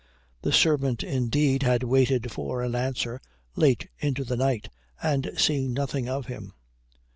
The servant, indeed, had waited for an answer late into the night and seen nothing of him.